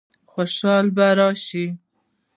خوشحالي به راشي؟